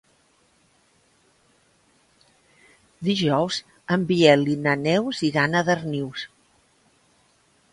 Dijous en Biel i na Neus iran a Darnius.